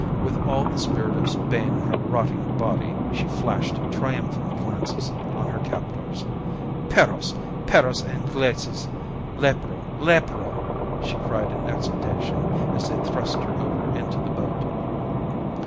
With all the spirit of Spain in her rotting body she flashed triumphant glances on her captors. "Perros! Perros Ingleses! Lepero, Lepero!" she cried in exultation, as they thrust her over into the boat.